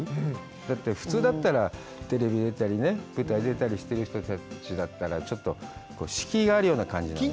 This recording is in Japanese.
だって普通だったら、テレビに出たり、舞台出てる人たちだったらちょっと敷居があるような感じなのに。